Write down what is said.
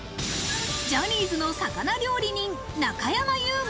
ジャニーズの魚料理人・中山優